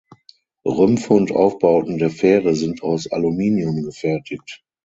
Rümpfe und Aufbauten der Fähre sind aus Aluminium gefertigt.